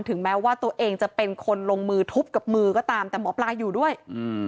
แม้ว่าตัวเองจะเป็นคนลงมือทุบกับมือก็ตามแต่หมอปลาอยู่ด้วย